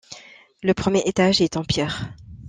Le premier étage est en pierre.